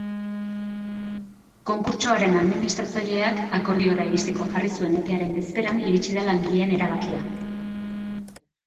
Konkurtsoaren administratzaileak akordiora iristeko jarri zuen epearen bezperan iritsi da langileen erabakia.